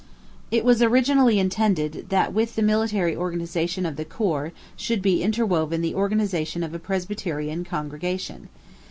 It was originally intended that with the military organization of the corps should he interwoven the organization of a Presbyterian congregation.